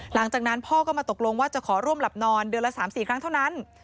หลังจากนั้นพ่อก็มาตกลงว่าจะขอร่วมหลับนอนเดือนละ๓๔ครั้งเท่านั้น